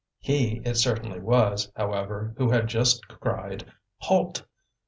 He it certainly was, however, who had just cried, "Halt!"